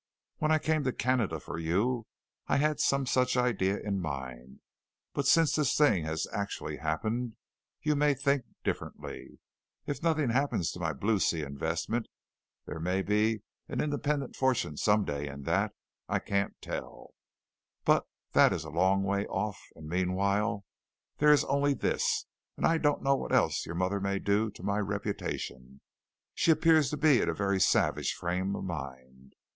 When I came to Canada for you, I had some such idea in mind, but since this thing has actually happened, you may think differently. If nothing happens to my Blue Sea investment, there may be an independent fortune some day in that. I can't tell, but that is a long way off, and meanwhile, there is only this, and I don't know what else your mother may do to my reputation. She appears to be in a very savage frame of mind.